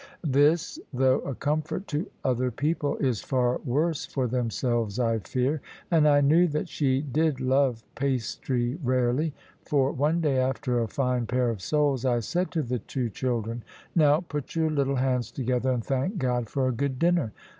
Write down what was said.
This, though a comfort to other people, is far worse for themselves, I fear. And I knew that she did love pastry rarely; for one day, after a fine pair of soles, I said to the two children, "Now, put your little hands together, and thank God for a good dinner."